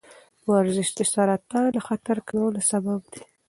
ورزش د سرطان د خطر کمولو سبب دی.